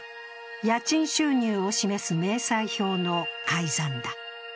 家賃収入を示す明細表の改ざんだ。